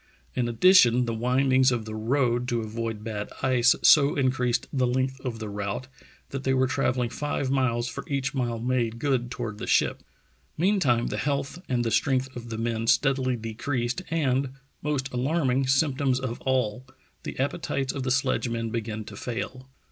In addition the windings of the road Parr's Lonely March 257 to avoid bad ice so increased the length of the route that they were travelling five miles for each mile made good toward the ship. Meantime the health and the strength of the men steadily decreased, and, most alarming symptoms of all, the appetites of the sledgemen began to fail.